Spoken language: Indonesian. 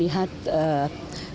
melihat strategi nasional presiden itu